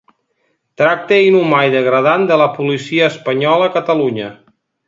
Tracte inhumà i degradant de la policia espanyola a Catalunya